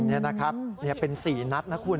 นี่นะครับเป็น๔นัดนะคุณ